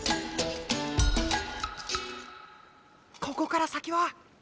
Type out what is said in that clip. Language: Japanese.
ここから先は？